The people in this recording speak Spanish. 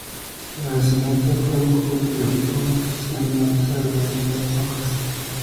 El asesinato fue cometido por una facción libanesa de las Brigadas Rojas.